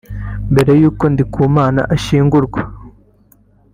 Mbere y’uko Ndikumana ashyingurwa